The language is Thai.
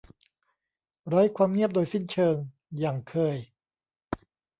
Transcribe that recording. ไร้ความเงียบโดยสิ้นเชิง อย่างเคย